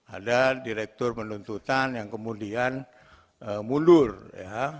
ada direktur penuntutan yang kemudian mundur ya